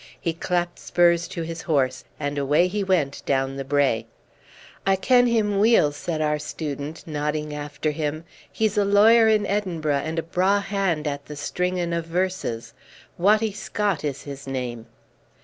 He clapped spurs to his horse, and away he went down the brae. "I ken him weel," said our student, nodding after him. "He's a lawyer in Edinburgh, and a braw hand at the stringin' of verses. Wattie Scott is his name."